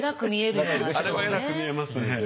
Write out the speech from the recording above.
あれは偉く見えますね。